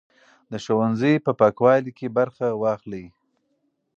د ښوونځي په پاکوالي کې برخه واخلئ.